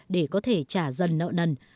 để có thể trả dần nợ nần